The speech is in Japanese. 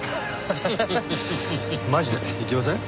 マジで行きません？